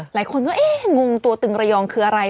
หลายคนก็เอ๊ะงงตัวตึงระยองคืออะไร